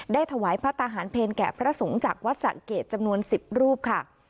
ถวายพระทหารเพลแก่พระสงฆ์จากวัดสะเกดจำนวน๑๐รูปค่ะ